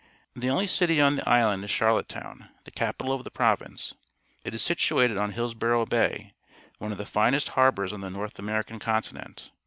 — The only city on the island is Charlottetown, the capital of the province. It is situated on Hills borouyh Bay, one of the finest harl)ours on the North Ameij _ican co ntine nt.